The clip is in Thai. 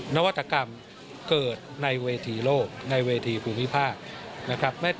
นวัตกรรมเกิดในเวทีโลกพูมิภาค